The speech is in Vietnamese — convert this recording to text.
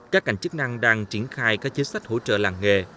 các ngành chức năng đang triển khai các chính sách hỗ trợ làng nghề